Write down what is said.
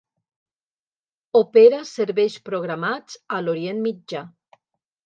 Opera serveis programats a l'Orient Mitjà.